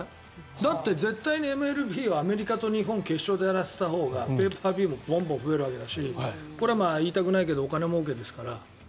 だって、絶対にＭＬＢはアメリカと日本を決勝でやらせたほうがペーパービューも増えるだろうし言いたくないけどお金もうけですから。